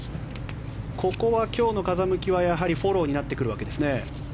ここは今日の風向きはフォローになってくるわけですね。